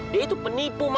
dia itu penipu ma